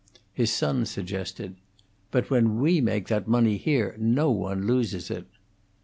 His son suggested, "But when we make that money here, no one loses it."